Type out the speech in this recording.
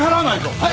はい！